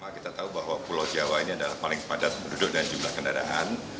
kita tahu bahwa pulau jawa ini adalah paling padat penduduk dan jumlah kendaraan